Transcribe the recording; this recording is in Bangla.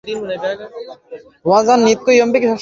তুমি আবার সারাদিন মদ খেয়েছ।